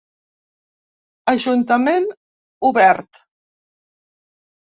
Ajuntament Obert.